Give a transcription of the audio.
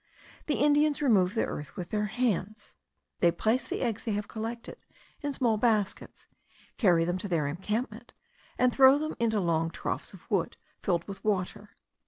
The Indians remove the earth with their hands; they place the eggs they have collected in small baskets, carry them to their encampment, and throw them into long troughs of wood filled with water.